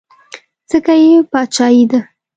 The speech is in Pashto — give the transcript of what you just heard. ځکه یې باچایي ده.